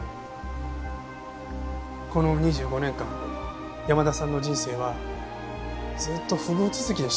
この２５年間山田さんの人生はずっと不遇続きでした。